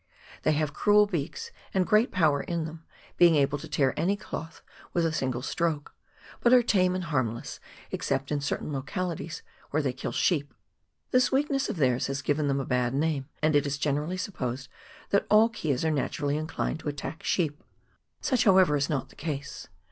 They have cruel beaks and great power in them, being able to tear any cloth with a single stroke, but are tame and harmless, except in certain localities, where they kill sheep. This weakness of theirs has given them a bad name, and it is generally supposed that all keas are naturally inclined to attack sheep. Such, however, is not the case.